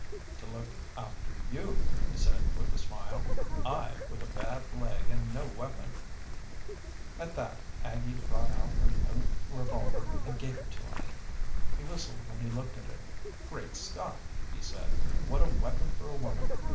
"To look after you!" he said with a smile. "I, with a bad leg and no weapon!" At that Aggie brought out her new revolver and gave it to him. He whistled when he looked at it. "Great Scott!" he said. "What a weapon for a woman!